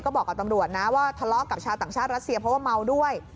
ก็บอกกับตำรวจนะว่าทะเลาะกับชาวต่างชาติรัสเซียเพราะว่าเมาด้วย